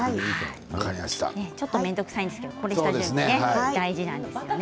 ちょっと面倒くさいんですけど下準備で大事です。